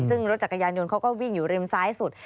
ซึ่งรถจักรยานยนต์เขาก็วิ่งอยู่ริมซ้ายสุด